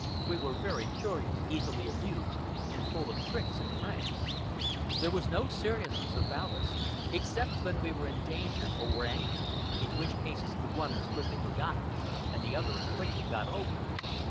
We were very curious, easily amused, and full of tricks and pranks. There was no seriousness about us, except when we were in danger or were angry, in which cases the one was quickly forgotten and the other as quickly got over.